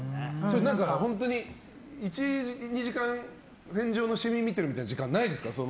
本当に１２時間天井のシミ見てるみたいなのないんですか？